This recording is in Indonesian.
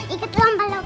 ikut lompat lompat pa